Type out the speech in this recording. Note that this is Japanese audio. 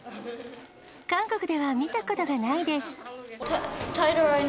韓国では見たことがないです。